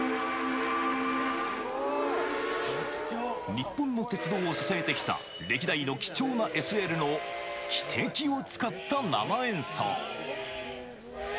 日本の鉄道を支えてきた歴代の貴重なＳＬの汽笛を使った生演奏。